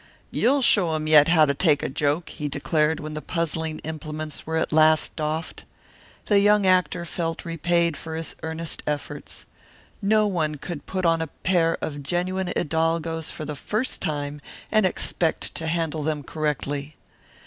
"You'll show 'em yet how to take a joke," he declared when the puzzling implements were at last doffed. The young actor felt repaid for his earnest efforts. No one could put on a pair of genuine hidalgos for the first time and expect to handle them correctly.